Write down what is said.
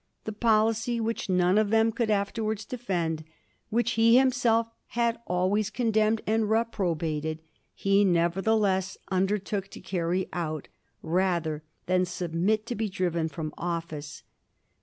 The policy which none of them could afterwards defend,, which he himself had always condemned and reprobated, he nevertheless undertook to carry out rather than submit to be driven from office.